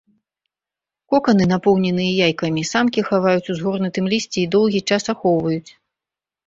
Коканы, напоўненыя яйкамі, самкі хаваюць у згорнутым лісці і доўгі час ахоўваюць.